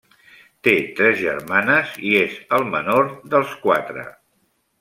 Té tres germanes i és el menor dels quatre.